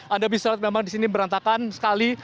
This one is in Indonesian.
anda bisa lihat memang di sini berantakan sekali